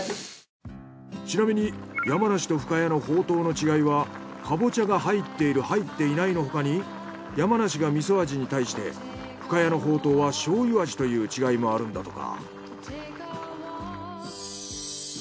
ちなみに山梨と深谷のほうとうの違いはカボチャが入っている入っていないの他に山梨が味噌味に対して深谷のほうとうは醤油味という違いもあるんだとか。